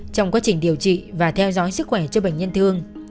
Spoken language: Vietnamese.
trong quá trình điều trị và theo dõi sức khỏe cho bệnh nhân thương